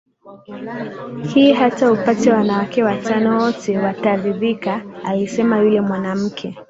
hii hata upate wanawake watano wote wataridhikaalisema yule mwanamke